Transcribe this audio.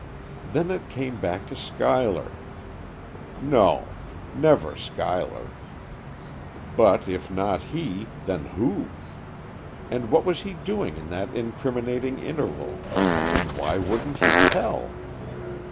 Then it came back to Schuyler. No! Never Schuyler! But if not he, then who? And what was he doing in that incriminating interval, and why wouldn't he tell?